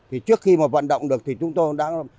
trước khi mà vận động được thì chúng tôi đã bán